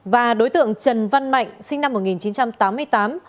và đối tượng trần văn mạnh sinh năm một nghìn chín trăm tám mươi tám